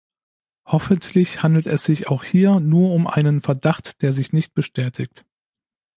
Hoffentlich handelt es sich auch hier nur um einen Verdacht, der sich nicht bestätigt.